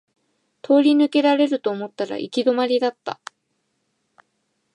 通り抜けられると思ったら行き止まりだった